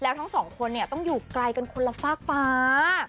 แล้วทั้งสองคนเนี่ยต้องอยู่ไกลกันคนละฟากฟ้า